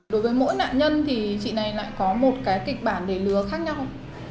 đối với mỗi nạn nhân thì chị này lại có một cái kịch bản để lừa khác nhau